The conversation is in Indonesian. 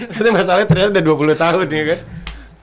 nanti masalahnya ternyata udah dua puluh tahun